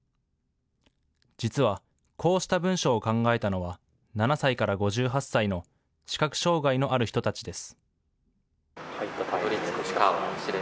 実は、こうした文章を考えたのは７歳から５８歳の視覚障害のある人たちです。